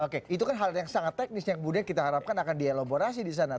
oke itu kan hal yang sangat teknis yang kemudian kita harapkan akan dielaborasi di sana